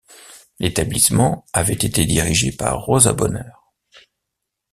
L'établissement avait été dirigé par Rosa Bonheur.